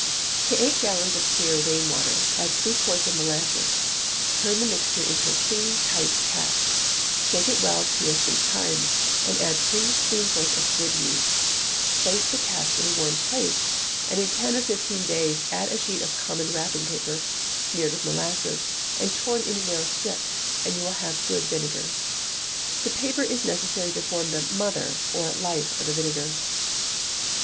To eight gallons of clear rain water, add three quarts of molasses; turn the mixture into a clean, tight cask, shake it well two or three times, and add three spoonfuls of good yeast; place the cask in a warm place, and in ten or fifteen days add a sheet of common wrapping paper, smeared with molasses, and torn into narrow strips, and you will have good vinegar. The paper is necessary to form the "mother," or life of the vinegar.